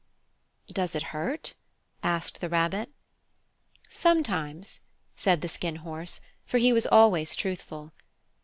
"Does it hurt?" asked the Rabbit. "Sometimes," said the Skin Horse, for he was always truthful.